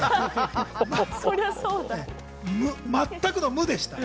全くの無でした。